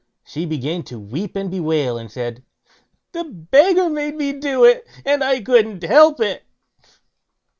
She began to weep and bewail, and said: "The beggar made me do it, and I couldn't help it."